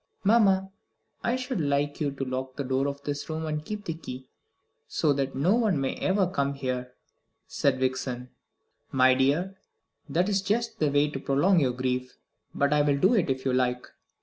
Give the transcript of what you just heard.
"Mamma, I should like you to lock the door of this room and keep the key, so that no one may ever come here," said Vixen. "My dear, that is just the way to prolong your grief; but I will do it if you like."